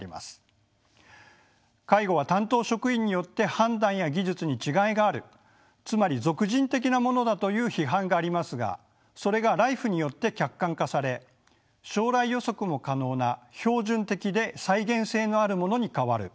介護は担当職員によって判断や技術に違いがあるつまり属人的なものだという批判がありますがそれがＬＩＦＥによって客観化され将来予測も可能な標準的で再現性のあるものに変わる